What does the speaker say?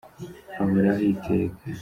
Ahoraho iteka